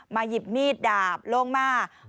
หยิบมีดดาบลงมา